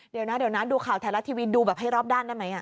เดี๋ยวนะดูข่าวแถลลักษณ์ทีวีดูแบบให้รอบด้านได้ไหม